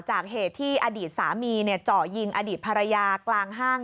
เหตุที่อดีตสามีเจาะยิงอดีตภรรยากลางห้าง